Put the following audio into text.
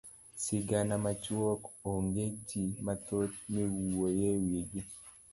sigana machuok onge jii mathoth miwuyo ewigi.